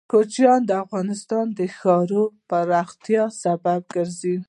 کوچیان د افغانستان د ښاري پراختیا سبب کېږي.